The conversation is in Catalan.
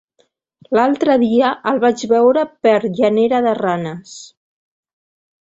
L'altre dia el vaig veure per Llanera de Ranes.